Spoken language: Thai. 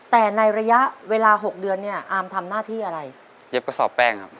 แต่ในระยะเวลาหกเดือนเนี่ยอามทำหน้าที่อะไรเย็บกระสอบแป้งครับ